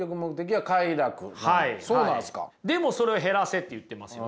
でもそれを減らせって言ってますよね。